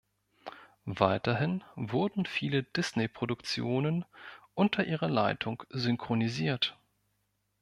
Weiterhin wurden viele Disney-Produktionen unter ihrer Leitung synchronisiert.